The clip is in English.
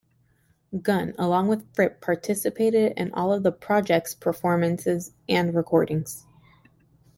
Gunn, along with Fripp, participated in all of the ProjeKcts performances and recordings.